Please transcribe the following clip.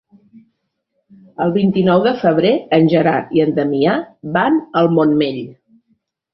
El vint-i-nou de febrer en Gerard i en Damià van al Montmell.